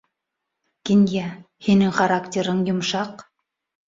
Кинйә, һинең характерың йомшаҡ.